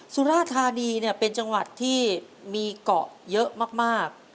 สุราธานีเนี่ยเป็นจังหวัดที่มีเกาะเยอะมาก